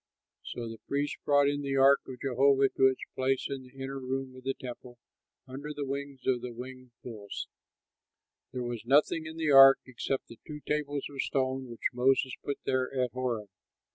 So the priests brought in the ark of Jehovah to its place in the inner room of the temple under the wings of the winged bulls. There was nothing in the ark except the two tables of stone which Moses put there at Horeb.